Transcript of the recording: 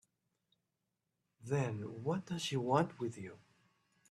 Then what does she want with you?